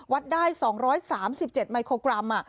วัดได้๒๓๗มิโครกรัม